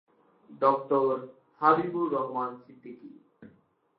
ড: হাবিবুর রহমান সিদ্দিকী।